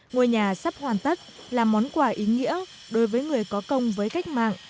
ngôi nhà sắp hoàn tất là món quà ý nghĩa đối với người có công với cách mạng